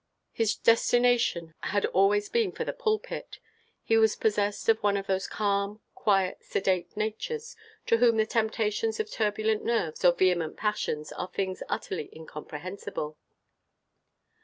His destination had always been for the pulpit. He was possessed of one of those calm, quiet, sedate natures, to whom the temptations of turbulent nerves or vehement passions are things utterly incomprehensible.